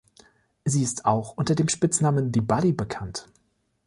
Sie ist auch unter dem Spitznamen The Body bekannt.